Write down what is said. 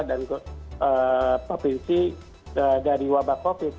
dan provinsi dari wabah covid